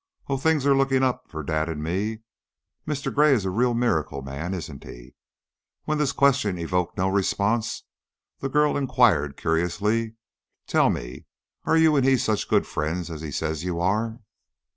"Oh, things are looking up for dad and me. Mr. Gray is a real miracle man, isn't he?" When this question evoked no response, the girl inquired, curiously, "Tell me, are you and he such good friends as he says you are?"